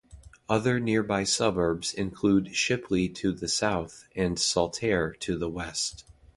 Other nearby suburbs include Shipley to the south and Saltaire to the west.